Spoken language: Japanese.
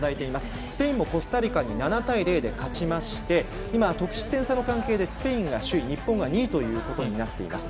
スペインもコスタリカに７対０で勝ちまして今、得失点の関係でスペインが１位、日本が２位ということになっています。